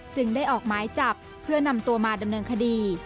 จึงได้ออกหมายจับเพื่อนำตัวมาดำเนินคดี